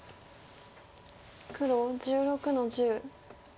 黒１６の十。